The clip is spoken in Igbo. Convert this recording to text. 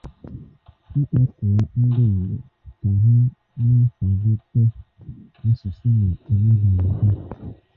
A Kpọkuo Ndị Igbo Ka Ha Na-Akwàlite Asụsụ Na Omenala Ha